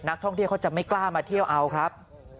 ท่องเที่ยวเขาจะไม่กล้ามาเที่ยวเอาครับ